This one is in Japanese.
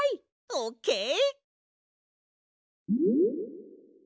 オッケー！